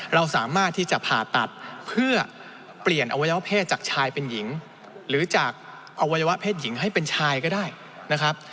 เราสามารถที่จะผ่าตัดเพื่อเปลี่ยนอวัยวะเพศจากชายเป็นหญิงหรือจากอวัยวะเพศหญิงให้เป็นชายก็ได้นะครับ